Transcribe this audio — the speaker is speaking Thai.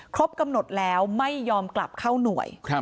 ครบกำหนดแล้วไม่ยอมกลับเข้าหน่วย